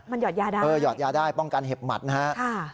มันหยอดยาได้ป้องกันเห็บมัดนะครับ